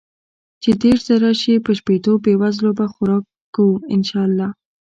چې ديرش زره شي په شپيتو بې وزلو به خوراک کو ان شاء الله.